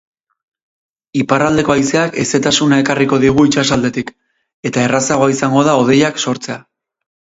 Iparraldeko haizeak hezetasuna ekarriko digu itsasaldetik, eta errazagoa izango da hodeiak sortzea.